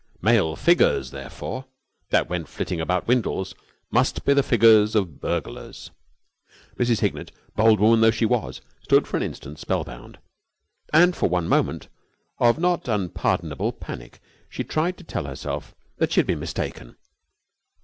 Male figures, therefore, that went flitting about Windles, must be the figures of burglars. Mrs. Hignett, bold woman though she was, stood for an instant spellbound, and for one moment of not unpardonable panic, tried to tell herself that she had been mistaken.